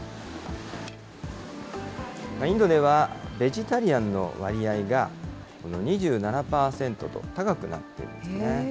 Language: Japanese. インドでは、ベジタリアンの割合が２７％と高くなっているんですね。